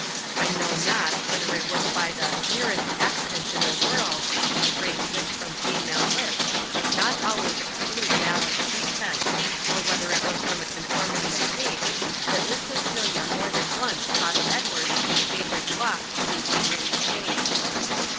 I know not whether it was by the 'merest accident in the world,' a phrase which, from female lips, does not always exclude malice prepense, or whether it was from a conformity of taste, that Miss Cecilia more than once crossed Edward in his favourite walks through Waverley Chase.